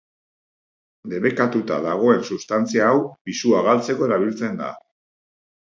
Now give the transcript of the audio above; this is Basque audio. Debekatuta dagoen substantzia hau pisua galtzeko erabiltzen da.